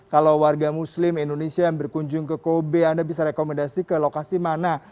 kalau warga muslim indonesia yang berkunjung ke kobe anda bisa rekomendasi ke lokasi mana